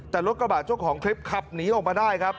แต่รถกระบะเจ้าของคลิปขับหนีออกมาได้ครับ